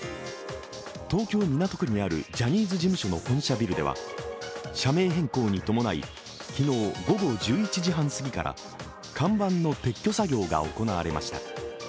東京・港区にあるジャニーズ事務所の本社ビルでは社名変更に伴い昨日午後１１時半過ぎから看板の撤去作業が行われました。